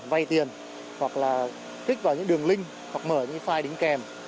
vay tiền hoặc là kích vào những đường link hoặc mở những file đính kèm